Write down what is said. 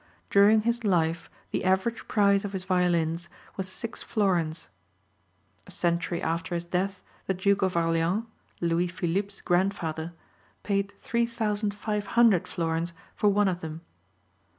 During his life the average price of his violins was six florins. A century after his death the Duke of Orleans, Louis Philippe's grandfather, paid 3,500 florins for one of them.